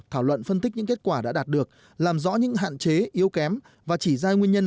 thảo luận phân tích những kết quả đã đạt được làm rõ những hạn chế yếu kém và chỉ ra nguyên nhân